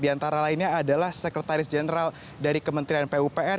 di antara lainnya adalah sekretaris jenderal dari kementerian pupr